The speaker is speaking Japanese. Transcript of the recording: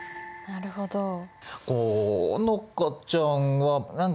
なるほどね。